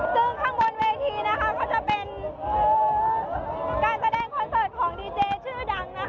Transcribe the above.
ซึ่งข้างบนเวทีนะคะก็จะเป็นการแสดงคอนเสิร์ตของดีเจชื่อดังนะคะ